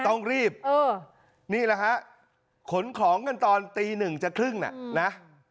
ต้องรีบนี่แหละฮะขนของกันตอนตีหนึ่งจะครึ่งน่ะนะ